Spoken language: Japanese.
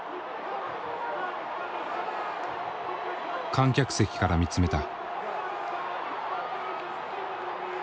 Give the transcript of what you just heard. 観客席から見つめた。